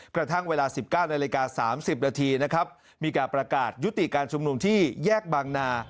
กระทั่งเวลา๑๙นาฬิกา๓๐นาทีนะครับมีการประกาศยุติการชุมนุมที่แยกบางนา